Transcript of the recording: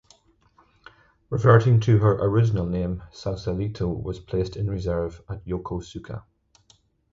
Reverting to her original name, "Sausalito" was placed in reserve at Yokosuka.